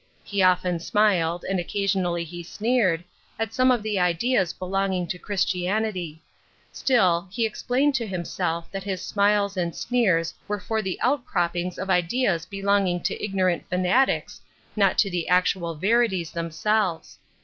He often smiled, and occa sionally he sneered, at some of the ideas belonging to Christianity ; still, he explained to himself that his smiles and sneers were for the out croppings of ideas belonging to ignorant fanatics, not to the actual verities themselves.